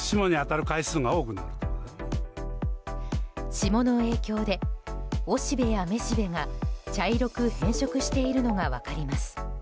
霜の影響でおしべやめしべが茶色く変色しているのが分かります。